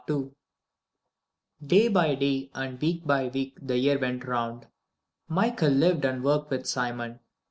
VI Day by day and week by week the year went round. Michael lived and worked with Simon.